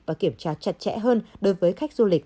và kiểm tra chặt chẽ hơn đối với khách du lịch